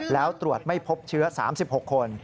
แล้วตรวจไม่พบเชื้อ๓๖คน